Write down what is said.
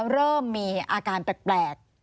เริ่มมีอาการแปลก